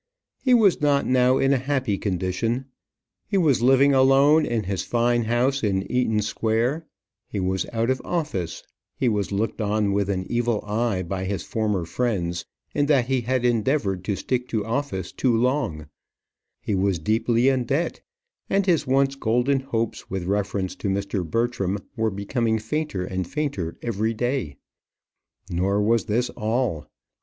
He was not now in a happy condition. He was living alone in his fine house in Eaton Square; he was out of office; he was looked on with an evil eye by his former friends, in that he had endeavoured to stick to office too long; he was deeply in debt, and his once golden hopes with reference to Mr. Bertram were becoming fainter and fainter every day. Nor was this all.